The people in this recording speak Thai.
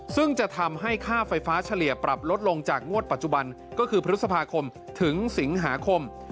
ซึ่งจะทำให้ค่าไฟฟ้าเฉลี่ยปรับลดลงจากงวดปัจจุบันก็คือพฤษภาคมถึงสิงหาคม